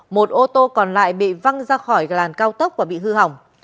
một ô tô còn lại bị văng ra khỏi làn cao tốc và bị hư hỏng